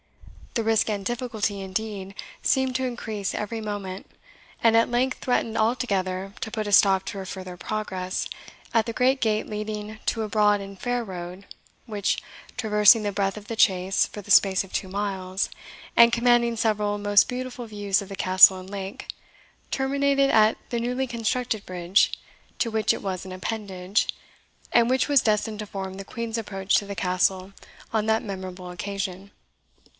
The risk and difficulty, indeed, seemed to increase every moment, and at length threatened altogether to put a stop to her further progress at the great gate leading to a broad and fair road, which, traversing the breadth of the chase for the space of two miles, and commanding several most beautiful views of the Castle and lake, terminated at the newly constructed bridge, to which it was an appendage, and which was destined to form the Queen's approach to the Castle on that memorable occasion.